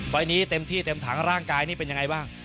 ไฟล์นี้เต็มที่เต็มถังร่างกายนี่เป็นยังไงบ้าง